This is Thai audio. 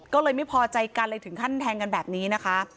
ก็เลยไม่พอใจกันเลยถึงขั้นแทงกันแบบนี้นะคะ